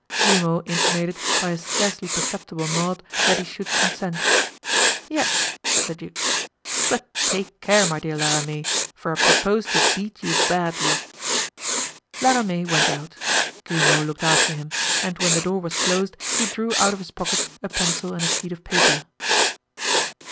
Grimaud intimated by a scarcely perceptible nod that he should consent. "Yes," said the duke, "but take care, my dear La Ramee, for I propose to beat you badly." La Ramee went out. Grimaud looked after him, and when the door was closed he drew out of his pocket a pencil and a sheet of paper.